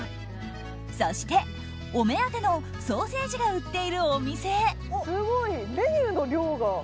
そして、お目当てのソーセージが売っているお店へ。